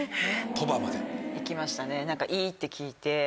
行きましたねいいって聞いて。